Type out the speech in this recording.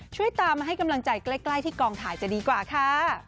ช่วยตามมาให้กำลังใจใกล้ที่กองถ่ายจะดีกว่าค่ะ